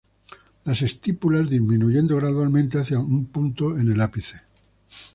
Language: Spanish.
Las estípulas disminuyendo gradualmente hacia un punto en el ápice.